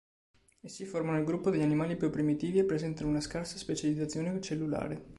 Essi formano il gruppo degli animali più primitivi e presentano una scarsa specializzazione cellulare.